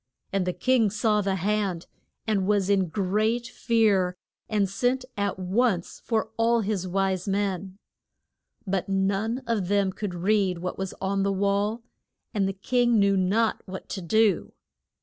And the king saw the hand, and was in great fear, and sent at once for all his wise men. [Illustration: THE WRIT ING ON THE WALL.] But none of them could read what was on the wall, and the king knew not what to do.